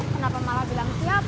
kenapa malah bilang siap